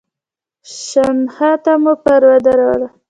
شنخته مو پر ودروله.